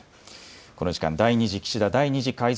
この時間、第２次岸田第２次改造